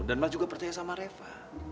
dan mas juga percaya sama reva